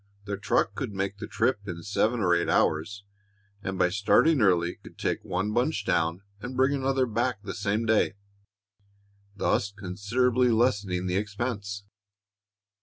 The truck could make the trip in seven or eight hours, and by starting early could take one bunch down and bring another back the same day, thus considerably lessening the expense."